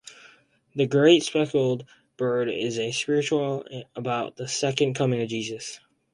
"The Great Speckled Bird" is a spiritual about the Second Coming of Jesus.